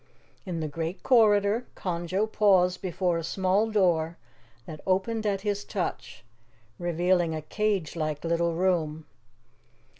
In the great corridor, Conjo paused before a small door that opened at his touch, revealing a cage like little room.